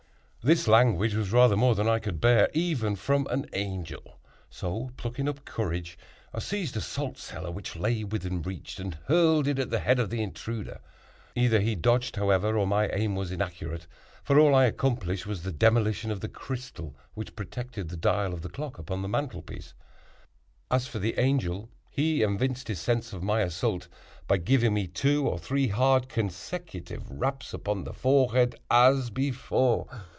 This language was rather more than I could bear, even from an angel; so, plucking up courage, I seized a salt cellar which lay within reach, and hurled it at the head of the intruder. Either he dodged, however, or my aim was inaccurate; for all I accomplished was the demolition of the crystal which protected the dial of the clock upon the mantel piece. As for the Angel, he evinced his sense of my assault by giving me two or three hard consecutive raps upon the forehead as before.